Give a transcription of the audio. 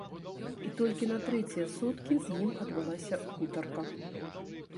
І толькі на трэція суткі з ім адбылася гутарка.